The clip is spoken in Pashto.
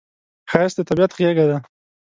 ښایست د طبیعت غېږه ده